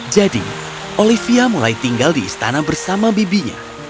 jadi olivia mulai tinggal di istana bersama bibinya